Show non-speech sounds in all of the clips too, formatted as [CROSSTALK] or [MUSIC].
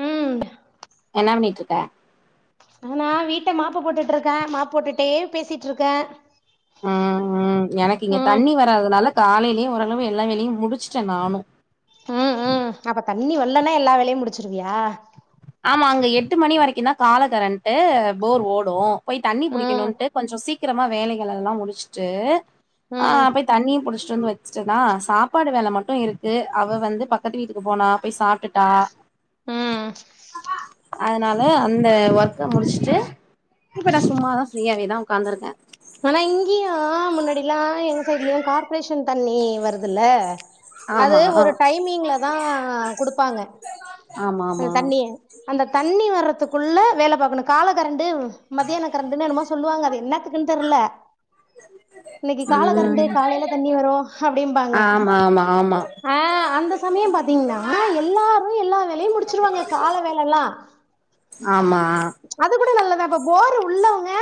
ம் என்னா பண்ணிட்ருக்க நானா வீட்ட மாப்பு போட்டுட்ருக்க மாப்பு போட்டுட்டே பேசிட்டு இருக்க அ அ எனக்கு இங்க தண்ணி வராததுனால காலையிலயே ஓரளவு எல்லா வேலையு முடிச்சுட்ட நானு ம் ம் அப்ப தண்ணி வல்லன்னா எல்லா வேலையு முடிச்சிருவியா ஆமா அங்க எட்டு மணி வரைக்கு தா கால கரண்ட்டு போர் ஓடு போய் தண்ணி ம் புடிக்கணுன்ட்டு கொஞ்சோ சீக்கிரமா வேலைகள் எல்லா முடிச்சிட்டு அ ம் போய் தண்ணியு புடிச்சிட்டு வந்து வச்சுட்டனா சாப்பாடு வேல மட்டு இருக் கு அவ வந்து பக்கத்து வீட்டுக்கு போன போய் சாப்ட்டுட்டா ம் அதனால அந்த ஒர்க்க முடிச்சுட்டு இப்போ நா சும்மா தா ஃப்ரீயாவே தா உக்காந்துருக்க ஆனா இங்கியு முன்னாடில்லா எங்க சைடுலையு கார்ப்ரேஷன் தண்ணி வருதுல்ல அது ஆமா ஒரு டைமிங்ல தா குடுப்பாங்க ஆமா அந்த ஆமா தண்ணிய அந்த தண்ணி வர்றதுக்குள்ள வேல பாக்கணு கால கரண்டு மத்தியான கரண்டுன்னு என்னமோ சொல்லுவாங்க அது என்னாத்துக் குன் தெர்ல இன்னைக்கு கால கரண்டு ம் காலையில தண்ணி வரு அப்டிம்பாங்க ஆமா ஆமா ஆமா ஆ அந்த சமயம் பாத்தீங்கன்னா எல்லாரு எல்லா வேலையு முடிச்சிருவாங்க கால வேலல்லா அ ஆமா அது கூட நல்லதாப்பா போரு உள்ளவுங்க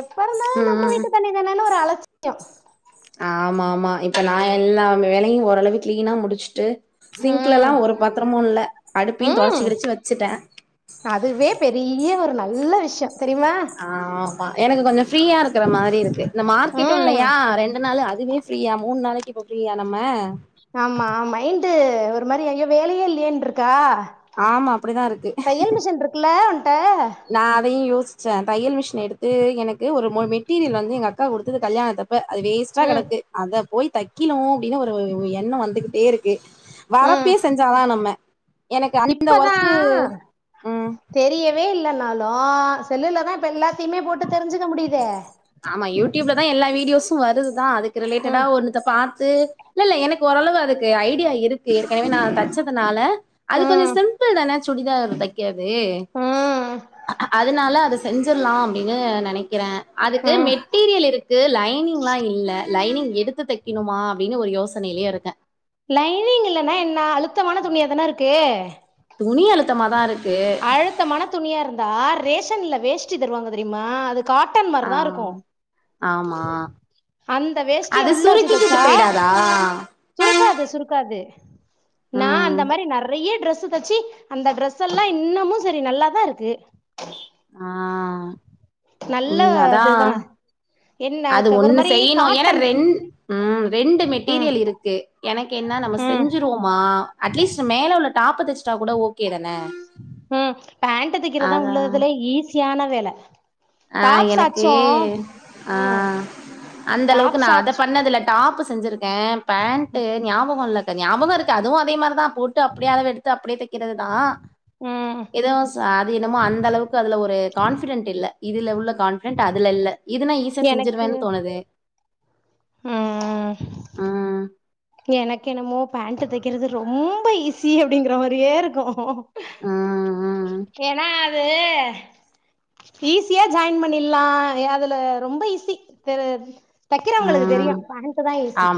எப்ப இருந்தாலு நம்ம ம் வீட்டு தண்ணிதானனு ஒரு அலச் ஆமா ஆமா இப்ப நா எல்லா வேலையு ஓரளவு கிளீனா முடிச்சுட்டு ம் சிங்க்லல்லா ஒரு பாத்தரமு இல்ல அடுப்பியு ம் தொடச்சு கிடச்சு வச்சுட்ட அதுவே பெரிய ஒரு நல்ல விஷ்யோ தெரியுமா ஆமா எனக்கு கொஞ்சோ ஃப்ரீயா இருக்கற மாரி இருக்கு இந்த மார்க்கெட்டு ம் இல்லையா ரெண்டு நாளு அதுவே ஃப்ரீயா மூணு நாளைக்கு இப்ப ஃப்ரீயா நம்ம ஆமா ஆ மைண்டு ஒரு மாரி ஐயோ வேலையே இல்லையேன்ருக்கா ஆமா அப்படிதா இருக்கு இக்குல ஓண்ட்ட நா அதையு யோசிச்ச தையல் மிஷின எடுத்து எனக்கு ஒரு மூண் மெட்டீரியல் வந்து எங்க அக்கா கொடுத்தது கல்யாணத்தப் ப அது வேஸ்ட்டா ம் கடக்கு அத போய் தைக்கினு அப்டின்னு ஒரு ஒ ஒ எண்ணோ வந்துகிட்டே இருக்கு ம் வரப்பே செஞ்சாதா நம்ம எனக்கு அந்த இப்பதா ஒர்க்கு ம் தெரியவே இல்லனாலு செல்லுலதா இப்ப எல்லாத்தையுமே போட்டு தெரிஞ்சுக்க முடியுதே ஆமா யூடியூப்ல தா எல்லா வீடியோசு வருது தா அதுக்கு ரிலேட்டடா ம் ஒன்னு த்த பாத்து இல்ல இல்ல எனக்கு ஓரளவு அதுக்கு ஐடியா இருக்கு ஏற்கனவே நா தைச்சதுனால அது கொஞ்சோ ம் சிம்பிள் தான சுடிதார் தைக்கறது ம் அதனால அது செஞ்சர்லா அப்டின்னு நனைக்கிற அதுக்கு ம் மெட்டீரியல் இருக் கு லைனிங்லா இல்ல லைனிங் எடுத்து தைக்கணுமா அப்டின்னு ஒரு யோசனைலேயே இருக்க லைனிங் இல்லனா என்ன அழுத்தமான துணியாதான இருக்கு துணி அழுத்தமாதா இருக் அழுத்த மான துணியா இருந்தா ரேஷன்ல வேஷ்டி தருவாங்க தெரியுமா அது காட்டன் ஆ மாரி தா இருக்கு ஆமா அந்த வேஷ்டிய அது உள்ள சுருக்கிக்கிட்டு வச்சுதச்சா போயிடாதா சுருக்காது சுருக்காது நா ம் அந்த மாதிரி நெறைய டிரெஸ்ஸு தச்சு அந்த ட்ரெஸ்யல்லா நல்லா இன்னமு சரி நல்லாதா இருக்கு ஆ நல்ல ம் அதா இதுதா என்ன அது ஒரு மாரி காட்டன் ரெண்டு ம் மெட்டீரியல் இருக்கு எனக்கு என்ன நம்ம ம் செஞ்சிருவோமா அட்லீஸ்ட் மேல உள்ள டாப்பு தைச்சிட்டாக் கூட ஒகே ஓகேதான உ பேண்ட் தக்கிறதுதா உள்ளதுலயே ஈஸியான வேல ஆ எனக்கு டாப்ஸாச்சு ஆ ம் அந்தளவுக்கு நா அத டாப்ஸாச்சு பண்ணதில்ல டாப் செஞ்சிருக்கே பேண்ட் ஞாபகோ இல்லகனி ஞாபகோ இருக்கு அதுவு அதே மாரிதா போட்டு அப்டியே அளவு எடுத்து அப்டியே தைக்கிறதுதா ம் எதவும் ச என்னமோ அந்த அளவுக்கு அது ஒரு கான்பிடென்ட் இல்ல இதுல உள்ள கான்பிடென்ட் அதுல இல்ல இதுன சியா செஞ்சிருவேன்னு தோனுது உ ம். எனக்கு என்னமோ பேண்ட் தைக்கிறது ரொம்ப ஈஸி அப்டிங்கிற மாதிரியே இருக்கு ம். ம். ஏன்னா அது ஈஸியா ஜாயின் பண்ணில்லா அதுல ரொம்ப ஈஸி தெ தைக்கிறவங்களுக்கு தெரியு பேண்ட்டு தா ஈசி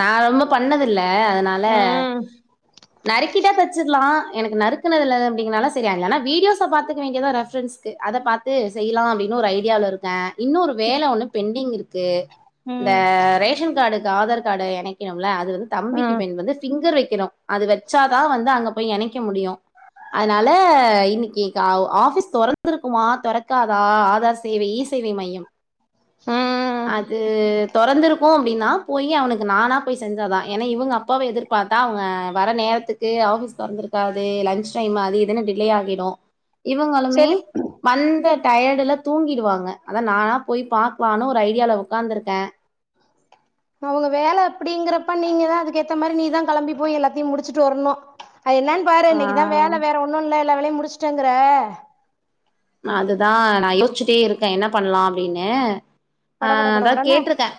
நா ரொம்ப பண்ணதில்ல அதுனால ம் நறுக்கிட்டா தச்சிர்லா எனக்கு நறுக்குனது இல்லந்துற அப்டிநால ச வீடியோ பாத்துக்க வேண்டிதுதா ரெபரன்ஸுக்கு அதை பாத் இது செய்யலா அப்டின்னு ஒரு ஐடியாவில இருக்கே இன்னொரு வேலை ஒன்னு பெண்டிங் இருக்கு இந்த ம் ரேஷன் கார்டுக்கு ஆதார் கார்டு இணைக்கணுல அது வந்து தம்பிக்கு ம் பெண் வந்து பிங்கர் வைக்கணு அது வச்சாதா வந்து அங்க போய் யேணைக்க முடியு அதுனால இன்னிக்கு ஆபீஸ் துறந்துயிருக்குமா துறக்காதா ஆதார் சேவை இ சேவை இ சேவை மையம் உ அது தொறந்திருக்கு அப்டின்னா போய் அவனுக்கு நானா போய் செஞ்சதா ஏன்னா இவங்க அப்பாவை எதிர் பாத்தா அவுங்க வர நேரத்துக்கு ஆஃபீஸ் தொறந்திருக்காது லஞ்சு டைம் அது இதுன்னு டிலே ஆகிடு இவுங்களுமே சரி வந்த டயட்ல தூங்கிடுவாங்க அதா நானா போய் பாக்கலான்னு ஒரு ஐடியாவ்ல உட்காந்திருக்கே அவுங்க வேலை அப்படிங்கிறப்ப நீங்கதா அதுக்குஏத்த மாதிரி நீதா கிளம்பி போய் எல்லாத்தையும் முடிச்சுட்டு வரணும் அது என்னன்னு பாரு ஆ இன்னைக்குதா வேலை வேற ஒன்னு இல்ல எல்லா வேலையு முடிச்சுட்டேங்கிற அதுதா நா யோசிச்சிட்டே இருக்கே என்ன பண்ணலா அப்டின்னு ஆ பட பட பட அதா படன்னு கேட்ருக்கே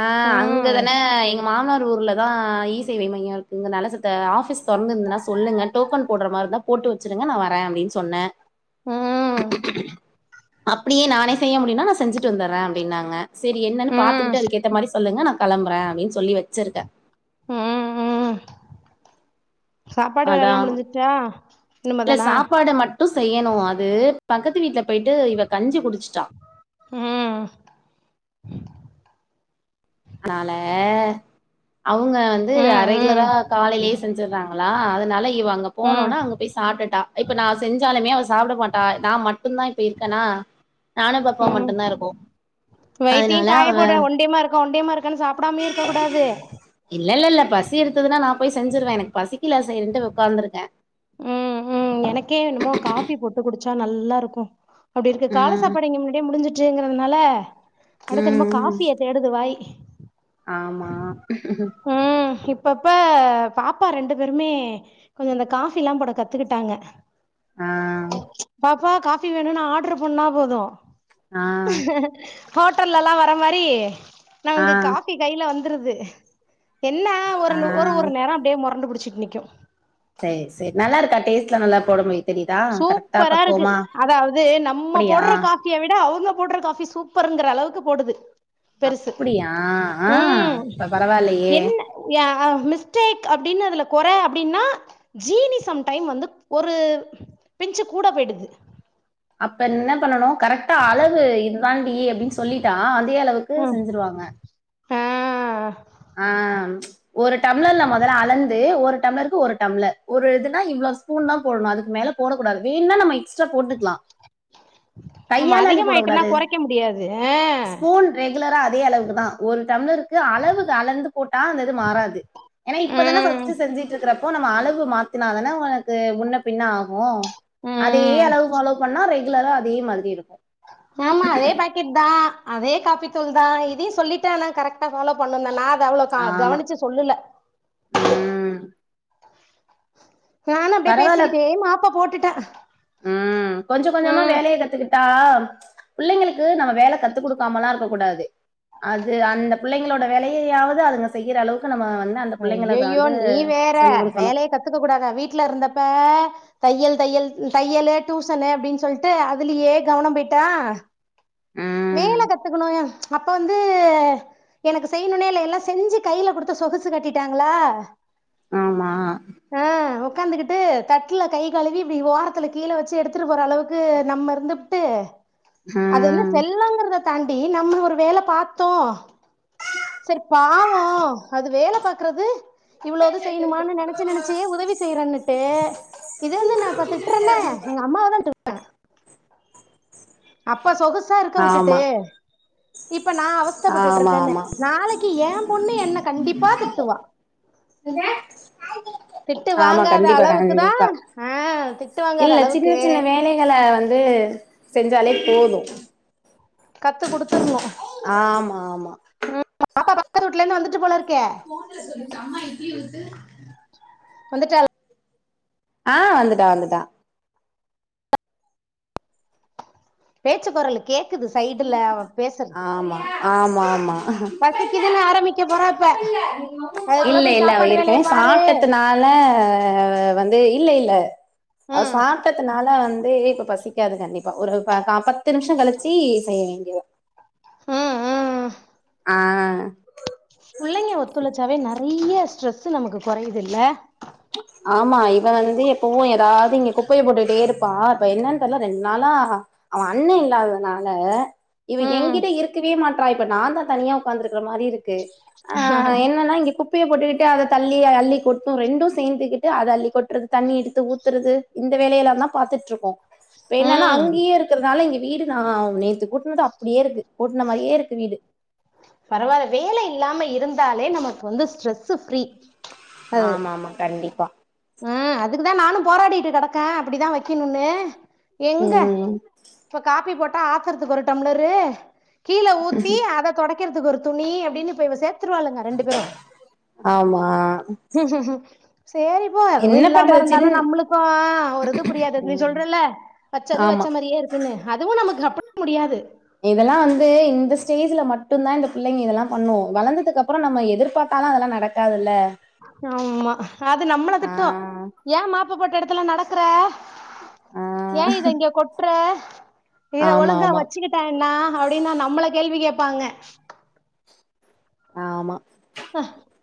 ஆ அங்க ம் தானே எங்க மாமனார் ஊர்ல தா இ சேவை மையோ இருக்கு இங்க நல்ல சத்தை ஆபிஸ் திறந்திருந்ததுன்னா சொல்லுங்க டோக்கன் போடுற மாதிரிந்தான் போட்டு வச்சிருடுங்க நா வரே அப்படின்னு சொன்னே உ அப்டியே நானே செய்ய முடியுனா நா செஞ்சுட்டு வந்தரே அப்படின்னாங்க சரி என்னன்னு ம் பாத்துட்டு அதுக்கு ஏத்த மாதிரி சொல்லுங்க நா கிளம்புறே அப்டின்னு சொல்லி வச்சிருக்கே ம் ம் சாப்பாடு வேலைல்லா அதான். முடிஞ்சுட்டா இனிமே தானா மட்டு செய்யணு அது பக்கத்து வீட்டுல போயிட்டு இவ கஞ்சி குடிச்சுட்டா உ துனால அவுங்க வந்து ம் ம் ரெகுலரா காலையிலேயே செஞ்சடுறாங்களா அதுனால இவ அங்க ம் போனோனா அங்க போய் சாப்டுட்டா இப்ப நா செஞ்சாலுமே அவ சாப்ட மாட்டா நா மட்டுதா இப்ப இருக்கனா ஹும் வைத்திய அதனால காய அவ போட ஒண்டியமா இருக்கோ ஒண்டியமா இருக்கு சாப் [UNINTELLIGIBLE] இல்ல இல்ல ல்ல பசி இருந்தது நா நா போய் செஞ்சிடுவே எனக் பசிக்கல சேரின்ட்டு உக்கார்ந்து இருக்கே ம் ம் எனக்கே என்னுமோ காஃபி போட்டு குடிச்சா நல்லா ருக்கு அப்டி இருக்கு கால ம். சாப்பாடு இங்க முன்னாடியே முடிஞ்சிட்டுங்கிறதுனால அடுத்து என்னமோ ம். காஃபிய தேட டுது வாய் ஆமா ம் இப்பப்ப பாப்பா ரெண்டு பேருமே கொஞ்சோ அந்த கா ஃபில்லா போட கத்துக்கிட்டாங்க ஆ பா ப்பா காஃபி வேணுனு ஆர்டர் பண்ணா போது ஆ ஹோட்டல்ல எல்லா வர மாரி ஆ நாமங்க காஃபி கைல வந்துருது என்ன ஆ ஒருனு ஒரு ஒரு நேரோ அப்டியே மொரண்டு பிடிச்சிட் நிக்கியு செரி செரி நல்லா இருக்கா டேஸ் வீட்ல நல்லா போட முடிய தெரியுதா கரெக்டா சூப்பரா இருக்கு பக்குவமா அப்டியா ச்சிய விட அவுங்க போடுற காஃபி சூப்பர்ங்கிற அளவுக்கு போடுது பெருசு அப்டியா ஆ ம் இப்ப பரவாயில்லயே என்ன ஊ யா மிஸ்டேக் அப்டின்னு அதுல கொறை அப்டின்னா ஜீனி சம்டைம் வந்து ஒரு பிஞ்சு கூட போயிது அப்ப என்ன பண்ணனு கரெக்டா அளவு இதுதாண்டி அப்டினு சொல்லிட்டா அதே அளவு க்கு ம் செஞ்சிருவாங்க ஆ ஆ ஒரு டம்ளர்ல மொதல்ல அளந்து ஒரு டம்ளருக்கு ஒரு டம்ளர் ஒரு இதுன்னா இவ்ளோ துன் தா போடணு அதுக்கு மேல போட கூடாது வேணுனா நம்ம எக்ஸ்ட்டா போட்டுக்கிலா நம்ம அதிகமாயிட்டுனா கொறைக்க முடியாது ஹ ஸ்பூன் ரெகுலரா அதே அளவுக்கு தா ஒரு டம்ளருக்கு அளவு அளந்து போட்ட அந்த இது மாறாது ஏனா ஆ இப்பதன ம் ஃபஸ்ட்டு செஞ்சிட்டு இருக்கிற அப்போ நம்ம அளவு மாத்தினாதான உனக்கு முன்ன பின்ன ஆகு அதே ம் அளவு ஃபாலோ பண்ணா ரெகுலரா அதே மாதிரி இருக்கு ஆமா அதே பாக்கெட் தா அதே காபி தூள் தா இதையு சொல்லிட்டானா கரெக்டா ஃபாலோ பண்ணணுணா நா அத அவ்ளோ கா கவனிச்சு சொல்லல ம் நானு அப்டியே பேசிக்கிட்டே மாப்பா போட்டுட்டே ம் கொஞ்ச கொஞ்சமா ம் வேலயே கத்துக்கிட் டா பிள்ளைங்களுக்கு நம்ம வேல கத்து குடுக்காமல்லா இருக்க கூடாது அது அந்த பிள்ளைங்களோட வேலையையாவது அதுங்க செய்யிற அளவுக்கு நம்ம வந்து அந்த பிள்ளைங்களுக்கு அய்யயோ வந்து நீ வேற சொல்லி கொடுக்கணும் வேலைய கத்துக்க கூடாத வீட்ல இருந்தப்ப தையல் தையல் தையலு டுயூஷனு அப்டின்னு சொல்ட்டு அதுலயே கவனோ போயிட்டா உம் வேல கத்துக்கணு ஏ அப்போ வந்து எனக்கு செய்யணுனே இல்ல எல்லா செஞ்சு கைல குடுத்து சொகுசு கட்டிட்டாங்களா ஆமா ஆ ஒக்கார்ந்து கிட் டு தட்டுல கை கழுவி இப்டி ஓரத்துல கீழ வச்சி எடுத்துட் போற அளவுக்கு நம்ம இருந்துபுட்டு [INAUDIBLE] ஹ அது வந்து செல்லங்றத தாண்டி நம்ம ஒரு வேல பாத்தோ செரி பாவோ அது வேல பாக்குறது இவ்ளோது செய்யணுமானு நெனைச்சி நெனைச்சியே உதவி செய்றன்னுட்டு இது வந்து நா இப்ப திட்டுறனே எங்க அம்மாவ தான் து அப்ப சொகுசா இருக்க வுட்டுட்டு ஆமா இப்ப நா ஆமா அவஸ்தப்பட்டுட்ருக்கேன்ன ஆமா நாளைக்கி என் பொண்ணு என்ன கண்டிப்பா திட்டுவா திட்டு ஆமா வாங்காத கண்டிப்பா அளவுக்கு தா கண்டிப்பா ஆ திட்டு வாங்காத அளவுக்கு பிள்ளைகள வந்து செஞ்சாலே போதும் கத்து குடுத்துர்ணு ஆமா ஆமா பாப்பா பக்கத்து வூட்ல இருந்து வந்துட்டு போலருக்கே போன்ல சொல்லிச்சு அம்மா இட்லி ஊத்து வந்துட்டால் ஆ வந்துட்டா வந்துட்டா பேச்சுக் கொரலுகேக்குது சைடுல அவ பேசுர்து ஆமா ஆமா பசிக்கிதுன் ஆரம்மிக்க போறா இப்ப அதுக்குள்ள இல்ல போய் இல்ல அவ சாப்பாடு வேலையை ஏற்கனவே பாரு சாப்டத்து நா ல வந்து இல்ல இல்ல அவ ம், சாப்ட்டதுனால வந்து இப்ப பசி க்காது கண்டிப்பா ஒரு கா பத்து நிமிஷோ கழிச்சி செய்ய வேண்டிய வரு [INAUDIBLE] ஆ புள்ளைங்க ஒத்துழச்சாவே நெறைய ஸ்ட்ரெஸ் நமக்கு கொறையுது இல்ல ஆமா இவ வந்து எப்பவு எதாவ்து இங்க குப்பைய போட்டுட்டே இருப்பா இப்ப என்னன் தெரில ரெண்டு நாளா அவ அண்ண இல்லாததுனால இவ ம், எங்கிட்ட இருக்கவே மாட்றா இப்ப நா தா தனியா உட்காந்துருகற மாரி இருக் கு ஆ என்னன்னா இங்க குப்பைய போட்டுக்கிட்டு அத தள்ளி அள்ளி கொட்டும் ரெண்டும் சேந்துக்கிட்டு அத அள்ளி கொட்டுறது தண்ணி எடுத்து ஊத்துறது இந்த வேலையெல்லாம் தா பாத்துட் இருக்கும் பேனான்னா ம். அங்கயே இருக் குறனால எங்க வீடு நா நேத்து கூட்டுனது அப்டியே இருக்கு கூட்ன மாரியே இருக்கு வீடு பரவாயில்ல வேல இல்லாம இருந்தாலே நமக்கு வந்து ஸ்ட்ரெசு ஃப்ரீ ஆமாமா கண்டிப்பா ஆ அதுக்குதா நானு போராடிட்டு கடக்கேன் அப்டிதா வைக்கணூனு எங்க உம் இப்ப காப்பி போட்டா ஆத்தற்துக்கு ஒரு டம்ளரு கீழ ஊத்தி அத க்கிறதுக் ஒரு துணி அப்டின் இப்ப இவ சேர்த்தருவாளுங்க ரெண்டு பேரும் ஆமா ம் ம் சேரி பொறவு என்ன இல்லாம பண்றது இருந்தாலு சின் நம்மளுக்கும் ஒரு இது புரியாது நீ உம் சொல்றல வச்சது ஆமா வச்ச மாரியே இருக் குனு அதுவு நமக்கு [UNINTELLIGIBLE] முடியாது இதெல்லா வந்து இந்த ஸ்டேஜ்ல மட்டும் தா இந்த பிள்ளைங்க இதெல்லா பண்ணு வளந்ததுக் அப்றம் நம்ம எதிர்பார்த்தாலா அதெல்லா நடக் காதுல ஆமா அது நம்மள திட்டும் ஆஹ் ஏன் ப்பு போட்ட எடத்துல நடக்கற ய ஆஹ் இத இங்க கொட்ற இத ஆமா ஒழுங்கா ஆமா வச்சுக்கிட் டா என்னா அப்டினு நம்மள கேள்வி கேப்பாங்க ஆமா [INAUDIBLE]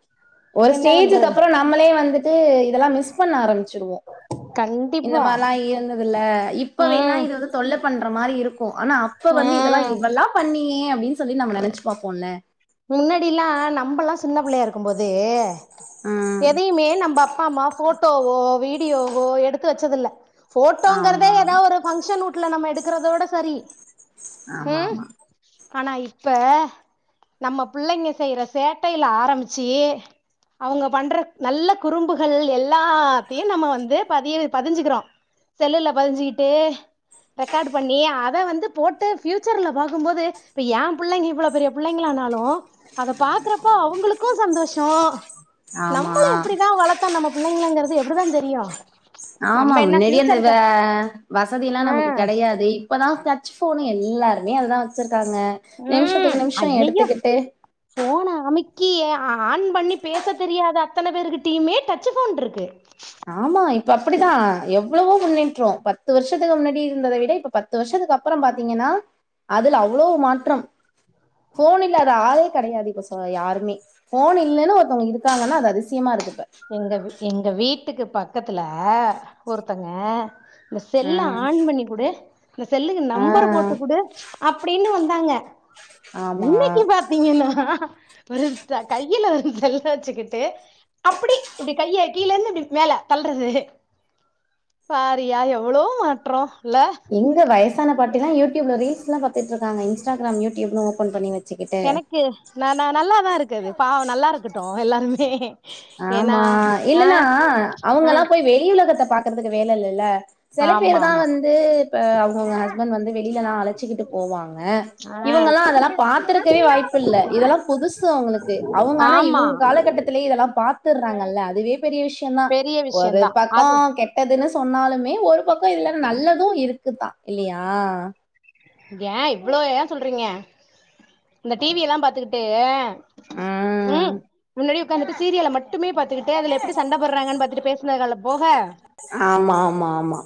ஒரு என்ன ஸ்டேஜ்க் பண்றது அப்போறம் நம்மளே வந்துட்டு இதெல்லாம் மிஸ் பண்ண ஆரம்பிச்சுறுவோம் இந்த கண்டிப்பா மாரிலா இருந்ததுல்ல இப்ப வேணா ம் இது வந்து தொல்ல பண்ற மாரி இரு க்கும் ஆனா அப்ப வந்து இதெல்லா ம் இதெல்லா பண்ணியே அப்டின் சொல்லி நம்ம நெனைச்சி பாப்போல்ல முன்னாடில்லா நம்பல்லா சின்ன புள்ளயா இருக்கும்போது ம். எதையுமே நம்ப அப்பா அம்மா ஃபோட்டோவோ வீடியோவோ எடுத்து வச்சதுல்ல ஃபோட்டோங்கறதே ஆமா. ஏதா ஒரு பங்ஷன் வூட்ல நம்ம எடுக்கறதோட சரி ம் ஆமாமா. ஆனா இப்ப நம்ம பிள்ளைங்க செய்ற சேட்டையில ஆரம்பிச்சி அவுங்க பண்ற நல்ல குறும்புகள் எல்லாத்தையு நம்ம வந்து பதிய பதுஞ்சுக்குறோ செல்லுல பதுஞ்சுக்கிட்டு ரெக்கார்டு பண்ணி அத வந்து போட்டு ஃப்யூச்சர்ல பாக்கும் போது இப்ப ஏ பிள்ளைங்க இவ்வளோ பெரிய பிள்ளைங்களானாலு அத பாக்குறப்போ அவுங்களுக்கு சந்தோஷோ ஆமா. நம்மள எப்டிதா வளத் தோ நம்ம பிள்ளைங்களங்கிறது எப்டிதா தெரியு நம்ம ஆமாம் என்ன நெறய இந்த வ ஃபியூச்சர்க்கு வசதில்லா ஆ நமக்கு கெடையாது இப்பதா டச் ஃபோன் எல்லாருமே அதுதா வச்சுருக்காங்க ம் நிம்ஷத்துக்கு நிம்ஷோ ஐயையோ எடுத்துக்கிட்டு ஃபோன அமிக்கி ஆ ஆன் பண்ணி பேச தெரியாத அத்தன பேருக்கிட்டயுமே டச் ஃபோன்ருக்கு ஆமா இப்ப அப்டிதா எவ்ளவோ முன்னேற்றோ பத்து வருஷத்துக்கு முன்னாடி இருந்ததை விட இப்ப பத்து பத்து வருஷத்துக்கு அப்பறோ பாத்தீங்கன்னா அதுல அவ்வளோ மாற்றம் ஃபோன் இல்லாத ஆளே கெடையாது இப்ப சோ யாருமே ஃபோன் இல்லன்னு ஒருத்தவுங்க இருக்காங்கன்னா அது அதிசயமா இருக்கு இப்ப எங்க வீ எங்க வீட்டுக்கு பக்கத்துல ஒருத்தங்க இந்த செல்ல ம் ஆன் பண்ணி குடு இந்த செல்லுக்கு ஆ நம்பர் போட்டு குடு அப்டின்னு வந்தாங்க ஆமா இன்னைக்கி பாத்தீங்கன்னா ஒருத்த கையில ஒரு செல்ல வச்சுக்கிட்டு அப்பிடி இப்டி கைய கீழ இந்து இப்டி மேல தள்றது பாருயா எவ்வளோ மாற்றோ இல்ல எங்க வயசான பாட்டில்லா யூடியூப்ல ரீல்ஸ்லா பாத்துட்ருக்காங்க இன்ஸ்டாகிராம் யூடியூபுன் ஓபன் பண்ணி வ எனக்கு நா நா நல்லாதா இருக்கு அது பாவோ நல்லாருக்கட்டு எல்லாருமே ஏன்னா ஆமா ஆ இல்லன்னா ஆ அவுங்கல்லா போய் வெளி உலகத்த பாக்குறதுக்கு வேல இல்லல்ல செல பேரு ஆமா தா ஆமா வந்து இப்ப அவுங்கவுங்க ஹஸ்பண்ட் வந்து வெளில லா அழச்சுக்கிட்டு போவாங்க ஆ இவங்கல்லா அதலா பாத்துருக்கயே வாய்ப்பு இல்ல இதல்லா புதுசு அவுங்களுக்கு அவுங்க ஆனா ஆமா இவங் காலகட்டத் துலயே இதல்லா பாத்துற்றாங்கல்ல அதுவே பெரிய விஷ்யோந் தா பெரிய ஒரு விஷயந்தா பக்கோ அது கெட்டதுனு சொன்னாலுமே ஒரு பக்கோ இதுல நல்லது இருக்குத்தா இல்லியா ஏ இவ்ளோ ஏ சொல்றீங்க இந்த டி வி எல்லா பாத்துக்கிட்டு ம் முன்னாடி உக்காந்துட்டு சீரியல மட்டுமே பாத்துக்கிட்டு அதுல எப்டி சண்ட போட்றாங்கன் பாத்துட்டு பேசுன கால போக ஆமா ஆமா ஆமா